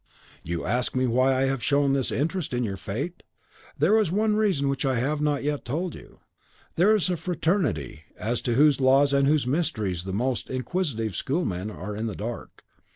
You ask me why I have shown this interest in your fate? There is one reason which I have not yet told you. There is a fraternity as to whose laws and whose mysteries the most inquisitive schoolmen are in the dark.